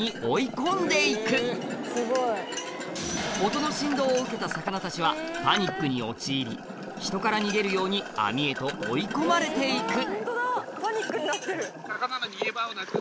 音の振動を受けた魚たちはパニックに陥り人から逃げるように網へと追い込まれて行く！